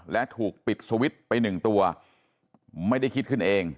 และถูกปิดสวิตช์ไปหนึ่งตัวไม่ได้คิดขึ้นเอง